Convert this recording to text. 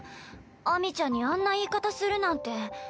秋水ちゃんにあんな言い方するなんて。